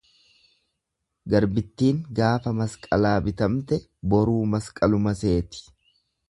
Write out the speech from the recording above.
Garbittiin gaafa masqalaa bitamte boruu masqaluma seeti.